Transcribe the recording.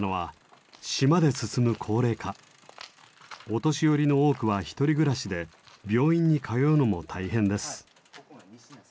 お年寄りの多くは独り暮らしで病院に通うのも大変です。